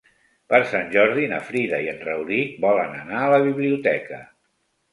Per Sant Jordi na Frida i en Rauric volen anar a la biblioteca.